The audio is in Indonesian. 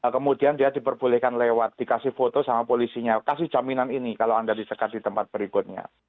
kemudian dia diperbolehkan lewat dikasih foto sama polisinya kasih jaminan ini kalau anda disekat di tempat berikutnya